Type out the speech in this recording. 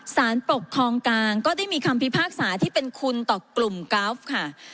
สารปกครองกลางก็ได้มีคำพิพากษาที่เป็นคุณต่อกลุ่มกราฟค่ะ